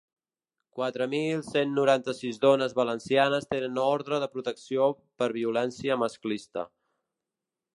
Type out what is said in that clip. Quatre mil cent noranta-sis dones valencianes tenen ordre de protecció per violència masclista.